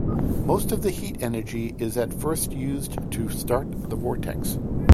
Most of the heat energy is at first used to start the vortex.